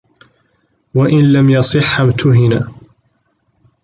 وَإِنْ لَمْ يَصِحَّ اُمْتُهِنَ